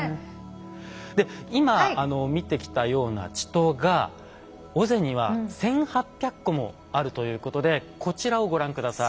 で今見てきたような池溏が尾瀬には１，８００個もあるということでこちらをご覧下さい。